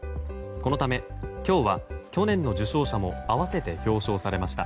このため、今日は去年の受賞者も合わせて表彰されました。